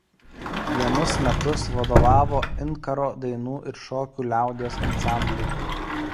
Vienus metus vadovavo „Inkaro“ dainų ir šokių liaudies ansambliui.